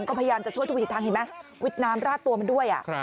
ก็พยายามจะช่วยทุกวิถีทางเห็นไหมวิดน้ำราดตัวมันด้วย